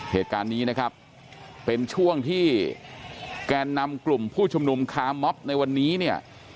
เหตุการณ์นี้นะครับเป็นช่วงที่แกนนำกลุ่มผู้ชุมนุมคาร์มอบในวันนี้เนี่ย